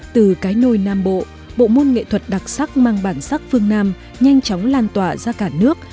từ cái nôi nam bộ bộ môn nghệ thuật đặc sắc mang bản sắc phương nam nhanh chóng lan tỏa ra cả nước